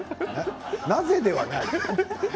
なぜではない。